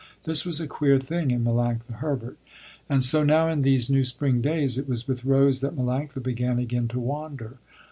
This was a queer thing in Melanctha Herbert. And so now in these new spring days, it was with Rose that Melanctha began again to wander.